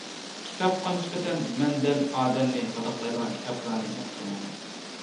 كىتابقا نىسبەتەن مەن دەل ئادەمنى غىدىقلايدىغان كىتابلارنى ياقتۇرمايمەن.